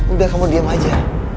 udah kamu diem aja